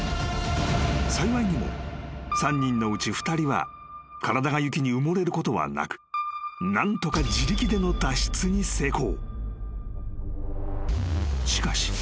［幸いにも３人のうち２人は体が雪に埋もれることはなく何とか自力での脱出に成功］